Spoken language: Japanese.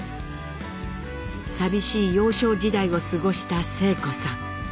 寂しい幼少時代を過ごした晴子さん。